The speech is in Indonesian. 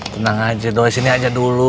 tenang aja doanya sini aja dulu